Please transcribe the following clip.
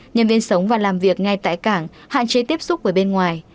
nhân viên sống và làm việc ngay tại cảng hạn chế tiếp xúc với bên ngoài